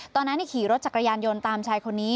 ตอนนั้นขี่รถจักรยานยนต์ตามชายคนนี้